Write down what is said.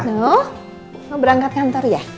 oh mau berangkat kantor ya